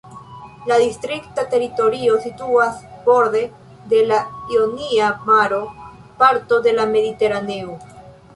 La distrikta teritorio situas borde de la Ionia Maro, parto de la Mediteraneo.